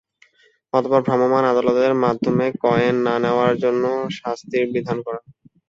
অথবা ভ্রাম্যমাণ আদালতের মাধ্যমে কয়েন না নেওয়ার জন্য শাস্তির বিধান করা।